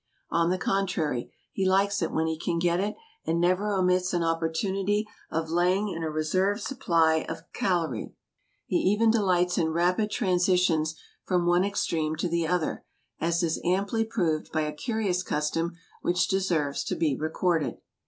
On the contrary, he likes it when he can get it, and never omits an opportunity of laying in a re serve supply of caloric. He even delights in rapid transi tions from one extreme to the other, as is amply proved by a curious custom which deserves to be recorded.